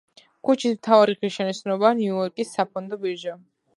ქუჩის მთავარი ღირსშესანიშნაობაა ნიუ-იორკის საფონდო ბირჟა.